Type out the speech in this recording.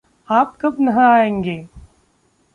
आप कब नहायेंगे?